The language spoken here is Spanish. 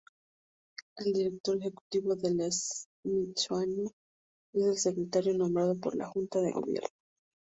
El director ejecutivo del Smithsoniano es el secretario, nombrado por la Junta de Gobierno.